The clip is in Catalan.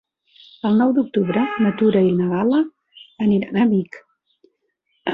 El nou d'octubre na Tura i na Gal·la aniran a Vic.